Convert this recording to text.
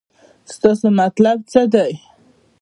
ستاسې مطلب څه دی.